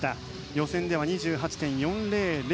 予選では２８．４００